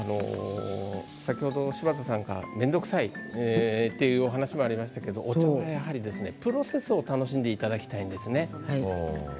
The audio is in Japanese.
先ほど柴田さんが面倒くさいというお話もありましたがお茶は、やはりプロセスを楽しんでいただきたいんですね。